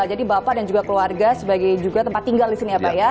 jadi bapak dan juga keluarga sebagai juga tempat tinggal disini ya pak ya